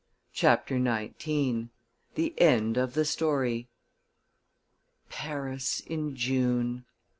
CHAPTER XIX The End of the Story Paris in June!